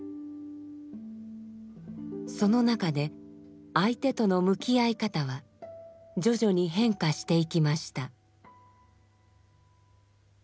その中で相手との向き合い方は徐々に変化していきました。